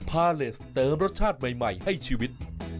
พาเลสเติมรสชาติใหม่ให้ชีวิต